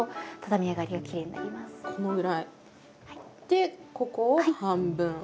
でここを半分。